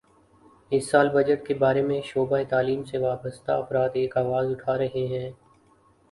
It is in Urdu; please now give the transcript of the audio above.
اس سال بجٹ کے بارے میں شعبہ تعلیم سے وابستہ افراد ایک آواز اٹھا رہے ہیں